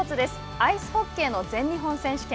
アイスホッケーの全日本選手権。